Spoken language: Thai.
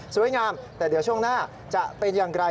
สวยงามแต่เดี๋ยวช่วงหน้าจะเป็นอย่างไร